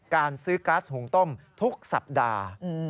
การซื้อก๊าซหุงต้มทุกสัปดาห์